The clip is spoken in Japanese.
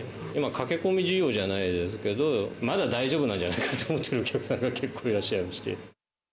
駆け込み需要じゃないですけど、まだ大丈夫なんじゃないかと思ってらっしゃるお客さんが結構いら